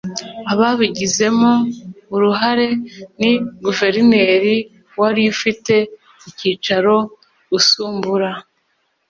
ababigizemo uruhare ni guverineri wari ufite icyicaro usumbura